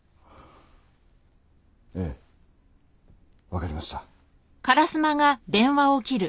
ええ分かりました